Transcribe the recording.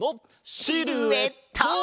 シルエット！